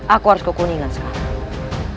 aku harus ke kuningan sekarang